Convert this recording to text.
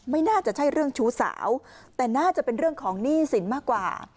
ไม่น่าจะใช่เรื่องชู้สาวแต่น่าจะเป็นเรื่องของหนี้สินมากกว่า